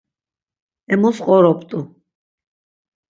Emus qoropt̆u.